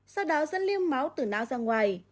sau đó dẫn liêm máu từ não ra ngoài